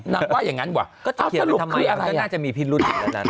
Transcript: นางว่าอย่างนั้นว่ะก็จะเขียนไปทำไมก็น่าจะมีพินรุ่นอีกแล้วนั้น